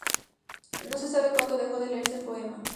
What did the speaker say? No se sabe cuándo dejó de leerse el poema.